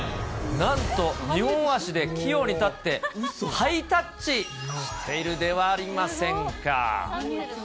なんと二本足で器用に立って、ハイタッチしているではありませんか。